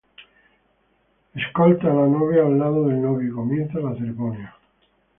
Escolta a la novia al lado del novio y comienza la ceremonia.